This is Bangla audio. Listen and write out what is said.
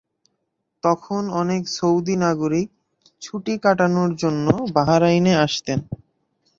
তখন অনেক সৌদি নাগরিক ছুটি কাটানোর জন্য বাহরাইনের আসতেন।